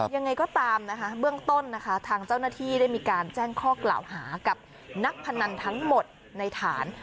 ยังไงก็ตามนะคะเบื้องต้นนะคะทางเจ้าหน้าที่ได้มีการแจ้งข้อกล่าวหากับนักพนันทั้งหมดในฐาน